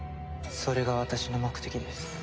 それが私の目的です。